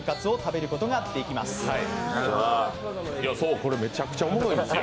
これ、めちゃくちゃおもろいんですよ。